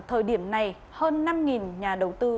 thời điểm này hơn năm nhà đầu tư